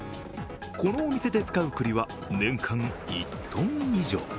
このお店で使う栗は、年間１ｔ以上。